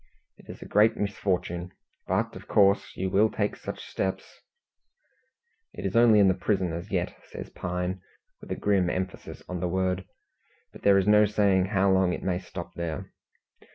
"It is a great misfortune; but, of course, you will take such steps " "It is only in the prison, as yet," says Pine, with a grim emphasis on the word; "but there is no saying how long it may stop there.